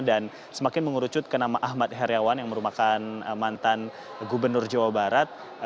dan semakin mengerucut ke nama ahmad heriawan yang merumakan mantan gubernur jawa barat